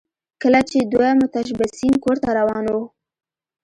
کله چې دوه متشبثین کور ته روان وو